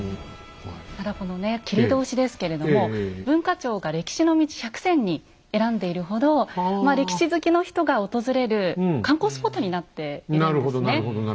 ただこのね切通ですけれども文化庁が「歴史の道百選」に選んでいるほどまあ歴史好きの人が訪れる観光スポットになっているんですね。